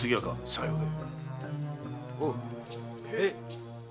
さようで。